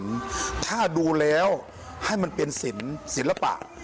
แล้วถ้ามองให้มันเป็นศิลป์ถ้าดูแล้วให้มันเป็นศิลปะ